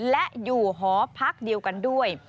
และอยู่หอพักเดียวกันด้วย